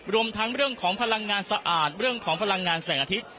รวมทั้งเรื่องของพลังงานสะอาดเรื่องของพลังงานแสงอาทิตย์